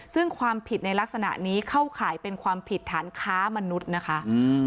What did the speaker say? ซึ่งความผิดในลักษณะนี้เข้าข่ายเป็นความผิดฐานค้ามนุษย์นะคะอืม